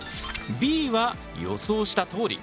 Ｂは予想したとおり。